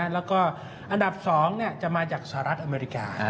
แล้วก็อันดับ๒จะมาจากสหรัฐอเมริกา